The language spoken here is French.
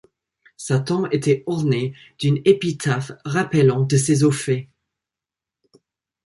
Sa tombe était ornée d'une épitaphe rappelant ses hauts faits.